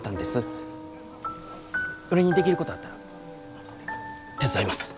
俺にできることあったら手伝います。